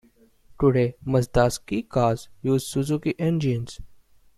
Today, Mazda's keicars use Suzuki engines.